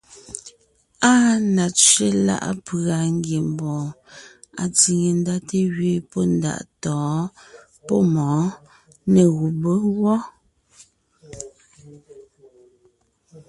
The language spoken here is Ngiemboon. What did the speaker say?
Áa na tsẅé láʼ pʉ̀a ngiembɔɔn atsìŋe ndá té gwɔ́ pɔ́ ndaʼ tɔ̌ɔn pɔ́ mɔ̌ɔn nê gùbé wɔ́.